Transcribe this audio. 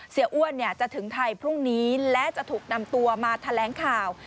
อ้วนจะถึงไทยพรุ่งนี้และจะถูกนำตัวมาแถลงข่าว